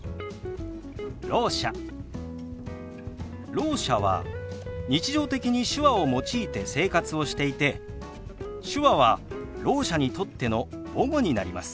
ろう者は日常的に手話を用いて生活をしていて手話はろう者にとっての母語になります。